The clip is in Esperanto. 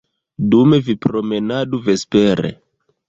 Dume vi promenadu vespere.